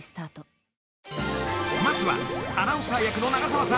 ［まずはアナウンサー役の長澤さん］